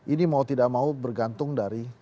ini mau tidak mau bergantung dari